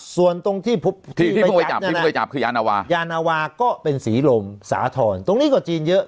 ส่วนตรงที่ไปจับคือยานวาก็เป็นศรีลมสาธรรมตรงนี้ก็จีนเยอะ